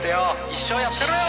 一生やってろよ！